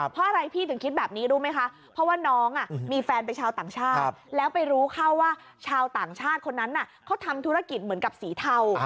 เพราะอะไรพี่ถึงคิดแบบนี้รู้ไหมคะเพราะว่าน้องมีแฟนเป็นชาวต่างชาติแล้วไปรู้เข้าว่าชาวต่างชาติคนนั้นเขาทำธุรกิจเหมือนกับสีเทา